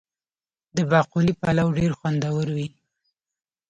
د باقلي پلو ډیر خوندور وي.